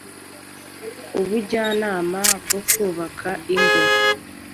ubujyanama bwo kubaka ingo